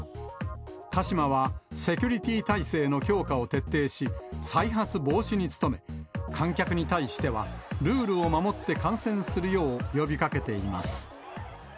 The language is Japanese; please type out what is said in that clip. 鹿島は、セキュリティー体制の強化を徹底し、再発防止に努め、観客に対しては、ルールを守って観戦するよう呼びかけています。